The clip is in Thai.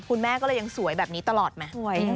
คุณแม่ก็เลยยังสวยแบบนี้ตลอดไหม